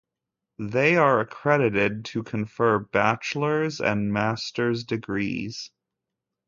They are accredited to confer bachelor's and master's degrees.